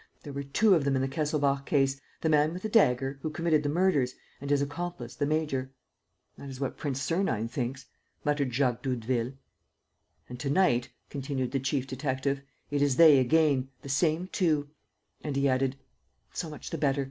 There were two of them in the Kesselbach case: the man with the dagger, who committed the murders, and his accomplice, the major." "That is what Prince Sernine thinks," muttered Jacques Doudeville. "And to night," continued the chief detective, "it is they again: the same two." And he added, "So much the better.